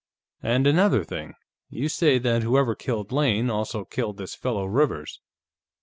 And another thing. You say that whoever killed Lane also killed this fellow Rivers.